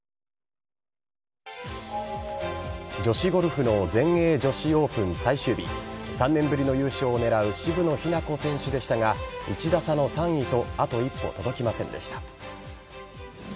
女子ゴルフの全英女子オープン最終日、３年ぶりの優勝をねらう渋野日向子選手でしたが、１打差の３位とあと一歩届きませんでした。